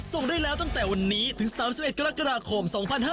ส่งได้แล้วตั้งแต่วันนี้ถึง๓๑กรกฎาคม๒๕๕๙